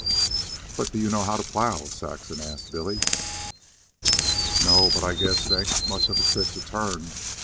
"But do you know how to plow?" Saxon asked Billy. "No; but I guess it ain't much of a trick to turn.